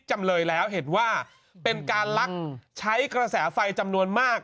จำเลยแล้วเห็นว่าเป็นการลักใช้กระแสไฟจำนวนมาก